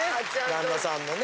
旦那さんもね。